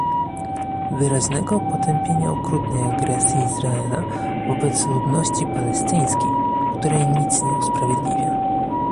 wyraźnego potępienia okrutnej agresji Izraela wobec ludności palestyńskiej, której nic nie usprawiedliwia!